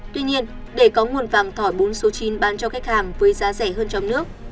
tuy nhiên để có nguồn vàng thỏi bốn số chín bán cho khách hàng với giá rẻ hơn trong nước